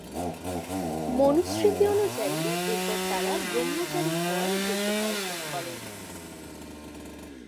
মনুস্মৃতি অনুযায়ী, এরপর তারা ব্রহ্মচারী হওয়ার যোগ্যতা অর্জন করে।